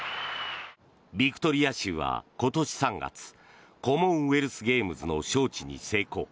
ビクトリア州は今年３月コモンウェルスゲームズの招致に成功。